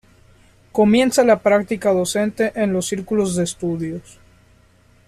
Comienza la práctica docente en los círculos de estudios.